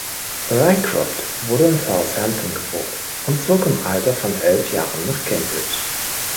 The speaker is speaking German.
Rycroft wurde in Southampton geboren und zog im Alter von elf Jahren nach Cambridge.